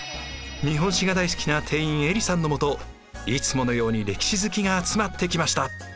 日本史が大好きな店員えりさんのもといつものように歴史好きが集まってきました。